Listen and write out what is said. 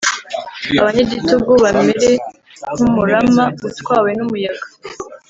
abanyagitugu bamere nk’umurama utwawe n’umuyaga.